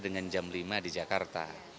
dengan jam lima di jakarta